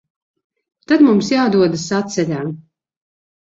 Tad mums jādodas atceļā.